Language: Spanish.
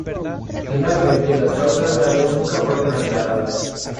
Finalmente las causas reales nunca fueron aclaradas.